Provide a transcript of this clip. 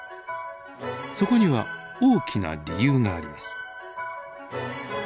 そこには大きな理由があります。